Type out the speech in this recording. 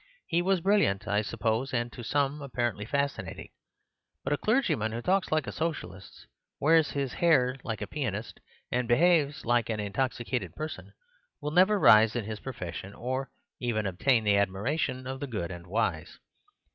He was brilliant, I suppose, and to some apparently fascinating; but a clergyman who talks like a Socialist, wears his hair like a pianist, and behaves like an intoxicated person, will never rise in his profession, or even obtain the admiration of the good and wise.